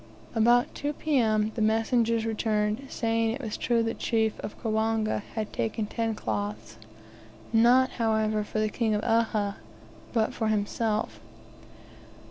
About 2 P.M. the messengers returned, saying it was true the chief of Kawanga had taken ten cloths; not, however for the King of Uhha, but for himself!